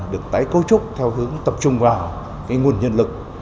được tái cấu trúc theo hướng tập trung vào nguồn nhân lực